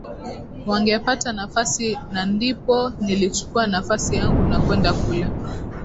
wangepata nafasi na ndipo nilichukua nafasi yangu na kwenda kule